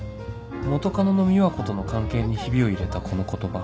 元カノの美和子との関係にヒビを入れたこの言葉